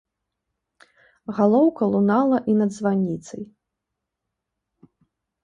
Галоўка лунала і над званіцай.